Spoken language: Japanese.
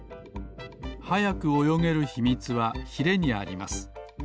はやくおよげるひみつはヒレにあります。